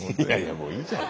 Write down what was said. もういいじゃない。